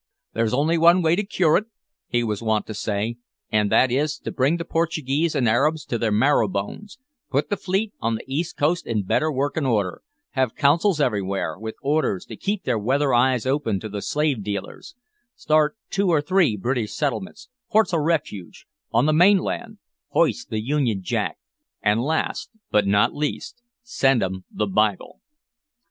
"There's only one way to cure it," he was wont to say, "and that is, to bring the Portuguese and Arabs to their marrow bones; put the fleet on the east coast in better workin' order; have consuls everywhere, with orders to keep their weather eyes open to the slave dealers; start two or three British settlements ports o' refuge on the mainland; hoist the Union Jack, and, last but not least, send 'em the Bible."